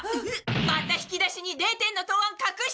また引き出しに０点の答案隠してたわね！